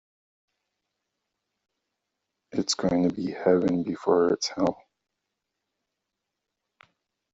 It is going to be better than before.